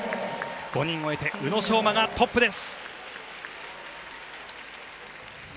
５人を終えて宇野昌磨がトップです！